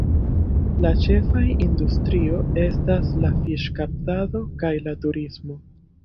La ĉefaj industrio estas la fiŝkaptado kaj la turismo.